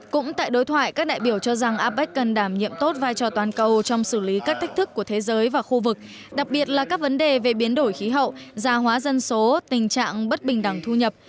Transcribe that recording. cũng tại đối thoại các đại biểu cho rằng apec cần đảm nhiệm tốt vai trò toàn cầu trong xử lý các thách thức của thế giới và khu vực đặc biệt là các vấn đề về biến đổi khí hậu gia hóa dân số tình trạng bất bình đẳng thu nhập